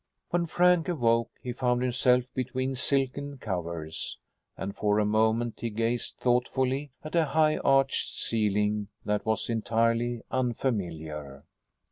When Frank awoke he found himself between silken covers, and for a moment he gazed thoughtfully at a high arched ceiling that was entirely unfamiliar.